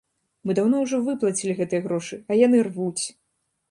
Мы даўно ўжо выплацілі гэтыя грошы, а яны рвуць!